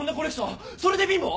それで貧乏！？